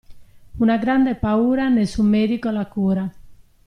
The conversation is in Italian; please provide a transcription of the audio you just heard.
Una grande paura nessun medico la cura.